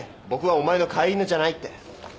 僕はお前の飼い犬じゃないって。